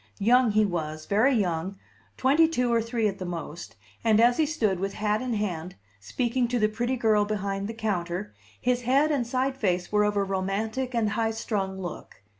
Young he was, very young, twenty two or three at the most, and as he stood, with hat in hand, speaking to the pretty girl behind the counter, his head and side face were of a romantic and high strung look.